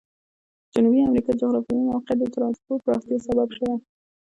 جنوبي امریکا جغرافیوي موقعیت د ترانسپورت پراختیا سبب شوی.